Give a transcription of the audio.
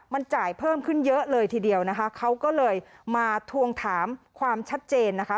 มันจ่ายเพิ่มขึ้นเยอะเลยทีเดียวนะคะเขาก็เลยมาทวงถามความชัดเจนนะคะ